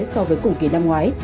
so với cùng kỳ năm ngoái